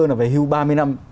nó về hưu ba mươi năm